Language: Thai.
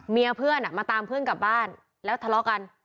เมียเพื่อนมาตามเพื่อนกลับบ้านแล้วทะเลาะกัน